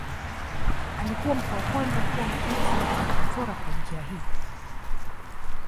Alikuwa mtu wa kwanza kuwa mzuri sana katika kuchora kwa njia hii.